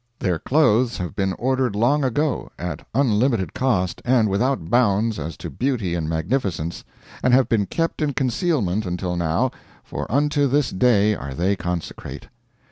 Their clothes have been ordered long ago, at unlimited cost, and without bounds as to beauty and magnificence, and have been kept in concealment until now, for unto this day are they consecrate.